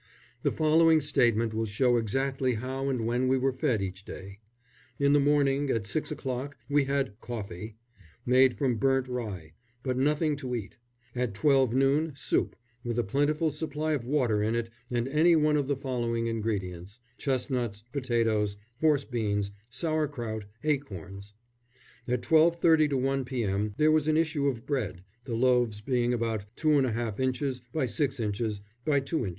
The following statement will show exactly how and when we were fed each day: In the morning, at six o'clock, we had "coffee," made from burnt rye, but nothing to eat; at twelve noon, soup, with a plentiful supply of water in it and any one of the following ingredients: chestnuts, potatoes, horse beans, sauerkraut, acorns. At 12.30 to 1 p.m. there was an issue of bread, the loaves being about 2½ in. by 6 in. by 2 in.